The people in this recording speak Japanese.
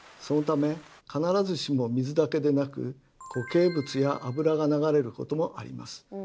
そのため必ずしも水だけでなく固形物や油が流れることもあります。